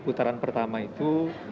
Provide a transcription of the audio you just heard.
putaran pertama itu